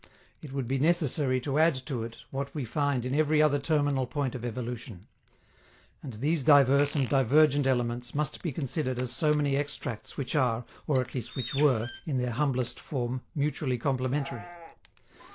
It would be necessary to add to it what we find in every other terminal point of evolution. And these diverse and divergent elements must be considered as so many extracts which are, or at least which were, in their humblest form, mutually complementary.